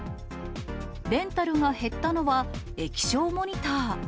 レンタルが減ったのは、液晶モニター。